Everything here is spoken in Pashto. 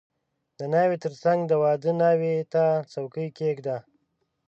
• د ناوې تر څنګ د واده ناوې ته څوکۍ کښېږده.